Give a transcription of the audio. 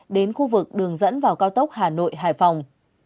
đến khu vực đường dẫn vào cao tốc hà nội hải phòng